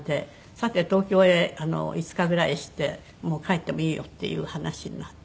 さて東京へ５日ぐらいしてもう帰ってもいいよっていう話になったのでやっと。